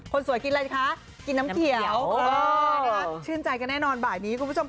คนสวยกินอะไรคะกินน้ำเขียวชื่นใจกันแน่นอนบ่ายนี้คุณผู้ชม